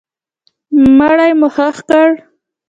مړی مو ښخ کړ.